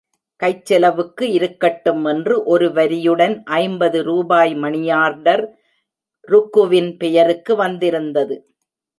கைச் செலவுக்கு இருக்கட்டும் என்று ஒரு வரியுடன் ஐம்பது ரூபாய் மணியார்டர் ருக்குவின் பெயருக்கு வந்திருந்தது.